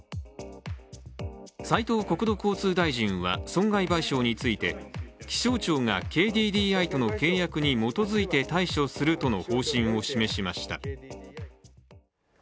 斉藤国土交通大臣は損害賠償について気象庁がＫＤＤＩとの契約に基づいて対処するとの方針を示しました。